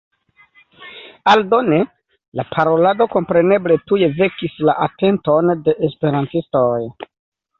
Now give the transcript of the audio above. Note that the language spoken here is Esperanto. Aldone la parolado kompreneble tuj vekis la atenton de esperantistoj.